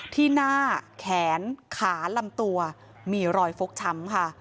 ที่หน้าแขนขาลำตัวมีรอยฟกช้ำค่ะ